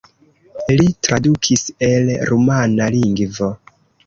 Li tradukis el rumana lingvo.